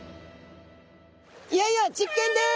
いよいよ実験です。